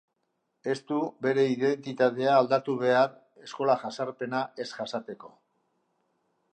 Ez du bere identitatea aldatu behar eskola jazarpena ez jasateko.